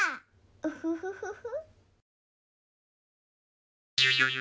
ウフフフフ。